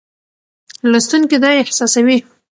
لوستونکی دا احساسوي.